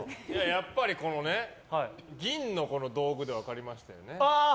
やっぱり、銀の道具で分かりましたよね。